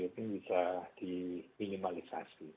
ini bisa diminimalisasi